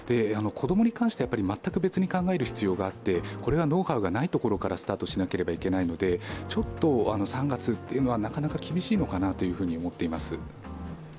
子供に関しては全く別に考える必要があって、ノウハウがないところからスタートしないといけないので３月というのはなかなか厳しいのかなと思っています。